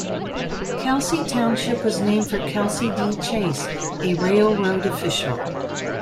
Kelsey Township was named for Kelsey D. Chase, a railroad official.